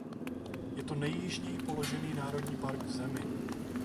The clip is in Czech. Je to nejjižněji položený národní park v zemi.